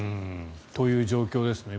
という状況ですね。